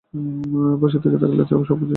প্রাসাদে থাকলে তো সবকিছু এমনিই সামনে চলে আসে।